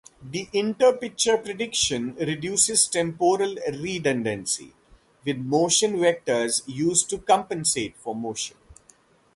The inter-picture prediction reduces temporal redundancy, with motion vectors used to compensate for motion.